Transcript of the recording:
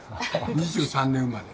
２３年生まれ。